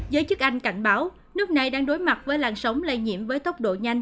giới chức anh cảnh báo nước này đang đối mặt với làn sóng lây nhiễm với tốc độ nhanh